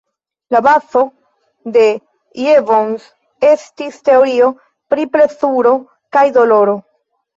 La bazo de Jevons estis teorio pri plezuro kaj doloro.